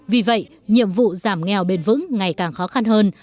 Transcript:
vì vậy nhiệm vụ giảm nghèo bền vững ngày càng khó khăn hơn